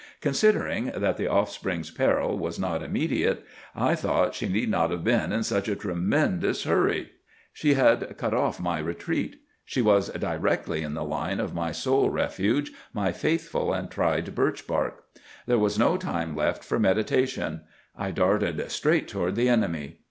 Considering that the offspring's peril was not immediate, I thought she need not have been in such a tremendous hurry. [Illustration: "I Could hear the Animal plunging in Pursuit."—Page 19.] "She had cut off my retreat. She was directly in the line of my sole refuge, my faithful and tried birch bark. There was no time left for meditation. I darted straight toward the enemy.